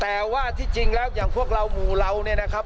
แต่ว่าที่จริงแล้วอย่างพวกเราหมู่เราเนี่ยนะครับ